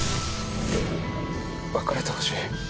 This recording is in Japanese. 別れてほしい。